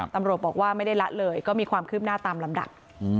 ตำรวจบอกว่าไม่ได้ละเลยก็มีความคืบหน้าตามลำดับ